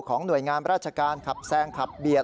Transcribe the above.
หน่วยงานราชการขับแซงขับเบียด